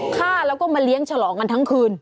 ฆ่าแล้วก็มาเลี้ยงฉลองกันทั้งคืน